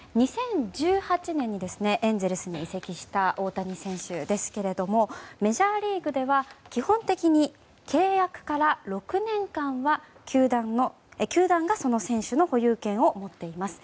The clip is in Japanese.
２０１８年にエンゼルスに移籍した大谷選手ですけどもメジャーリーグでは基本的に契約から６年間は球団が選手の保有権を持っています。